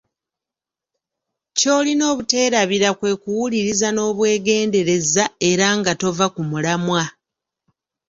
Ky'olina obuteerabira kwe kuwuliriza n'obwegendereza era nga tova ku mulamwa.